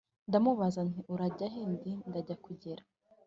Ndamubaza nti urajya he ati ndajya kugera